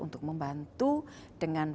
untuk membantu dengan